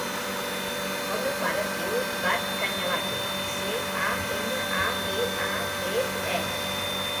El meu pare es diu Badr Cañabate: ce, a, enya, a, be, a, te, e.